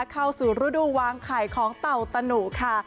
เข้าสู่ฤดูวางไข่ของเต่าตะหนุค่ะ